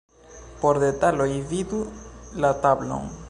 Por detaloj vidu la tablon.